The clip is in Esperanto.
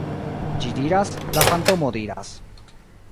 Ĝi diras, la fantomo diras